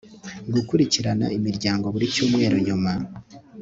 gukurikirana imiryango buri cyumweru nyuma